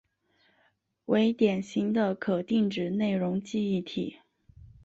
为典型的可定址内容记忆体。